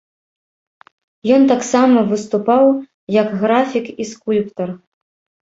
Ён таксама выступаў, як графік і скульптар.